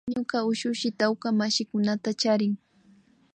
Ñuka ushushi tawka mashikunata charin